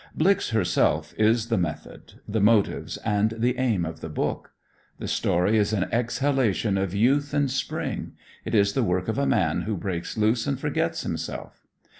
"Blix" herself is the method, the motives and the aim of the book. The story is an exhalation of youth and spring; it is the work of a man who breaks loose and forgets himself.